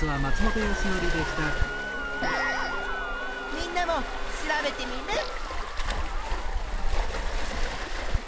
みんなも調べテミルン！